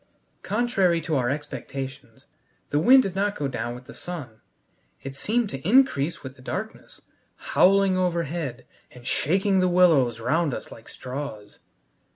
Contrary to our expectations, the wind did not go down with the sun. It seemed to increase with the darkness, howling overhead and shaking the willows round us like straws.